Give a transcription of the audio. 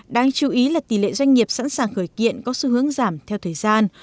đáng chú ý là tỷ lệ doanh nghiệp sẵn sàng khởi kiện có xu hướng giảm theo thời gian